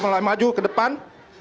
melayu ke depan